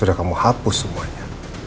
sudah kamu hapus semuanya